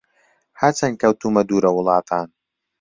هەرچەن کەوتوومە دوورە وڵاتان